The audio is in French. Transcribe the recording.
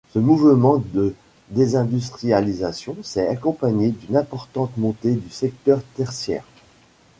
Ce mouvement de désindustrialisation s'est accompagné d'une importante montée du secteur tertiaire.